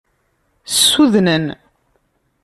Ssudnen.